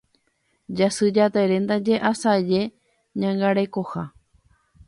Jasy Jatere ndaje asaje ñangarekoha.